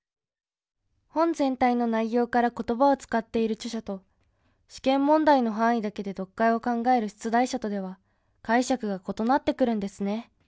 本全体の内容から言葉を使っている著者と試験問題の範囲だけで読解を考える出題者とでは解釈が異なってくるんですね。